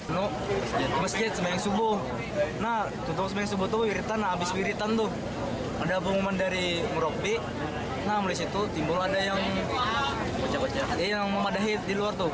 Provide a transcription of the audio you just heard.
nah dari situ timbul ada yang memadahi di luar tuh